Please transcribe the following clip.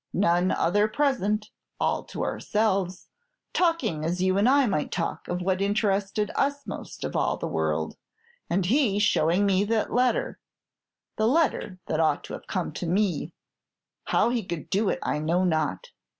None other present, all to ourselves, talking as you and I might talk of what interested us most of all the world; and he showing me that letter, the letter that ought to have come to me. How he could do it I know not.